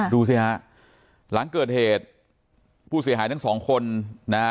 ดูสิฮะหลังเกิดเหตุผู้เสียหายทั้งสองคนนะฮะ